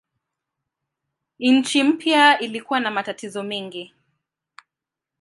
Nchi mpya ilikuwa na matatizo mengi.